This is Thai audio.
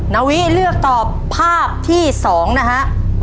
นาวิเลือกตอบภาพที่๒นะฮะ